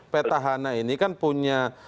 pt hana ini kan punya